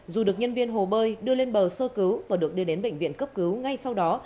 dù được nhân viên hồ bơi đưa lên bờ sơ cứu và được đưa đến bệnh viện cấp cứu ngay sau đó